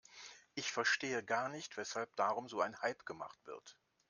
Ich verstehe gar nicht, weshalb darum so ein Hype gemacht wird.